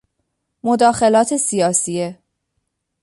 مداخلات سیاسیه